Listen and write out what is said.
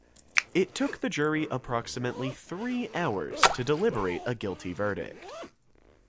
It took the jury approximately three hours to deliberate a guilty verdict.